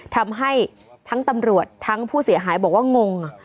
ทำให้ทั้งตำรวจทั้งผู้เสียหายบอกว่างง